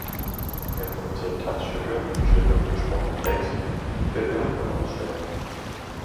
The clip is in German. Er produziert Tanzstücke, Stücke mit gesprochenem Text, Filme und Ausstellungen.